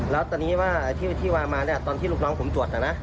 แล้วตอนนี้ว่าที่วางมาเนี่ยตอนที่ลูกน้องผมตรวจนะนะ